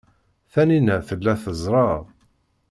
Taninna tella teẓra.